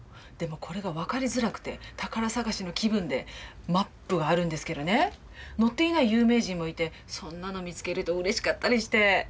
でもこれが分かりづらくて宝探しの気分でマップはあるんですけどね載っていない有名人もいてそんなの見つけるとうれしかったりして。